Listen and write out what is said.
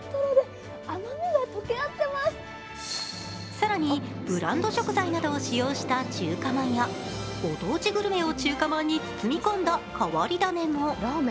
更に、ブランド食材などを使用した中華まんやご当地グルメを中華まんに包み込んだ変わり種も。